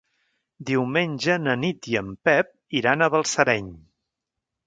Diumenge na Nit i en Pep iran a Balsareny.